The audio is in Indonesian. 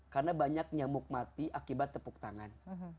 karena banyak nyamuk mati akibat tepuk tangan